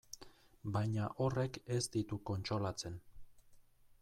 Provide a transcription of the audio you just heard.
Baina horrek ez ditu kontsolatzen.